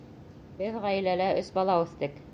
Беҙ ғаиләлә өс бала үҫтек.